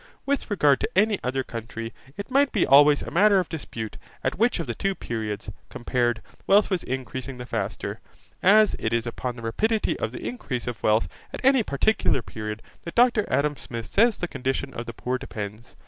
With regard to any other country it might be always a matter of dispute at which of the two periods, compared, wealth was increasing the fastest, as it is upon the rapidity of the increase of wealth at any particular period that Dr Adam Smith says the condition of the poor depends.